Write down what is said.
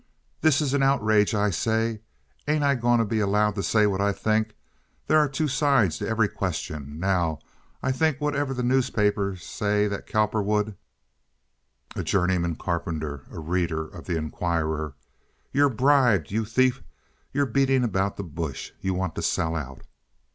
"This is an outrage, I say. Ain't I gon' to be allowed to say what I think? There are two sides to every question. Now, I think whatever the newspapers say that Cowperwood—" A Journeyman Carpenter (a reader of the Inquirer). "You're bribed, you thief! You're beating about the bush. You want to sell out."